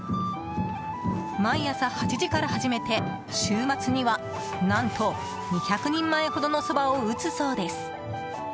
毎朝８時から始めて週末には何と２００人前ほどのそばを打つそうです。